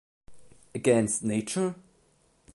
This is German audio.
Against Nature?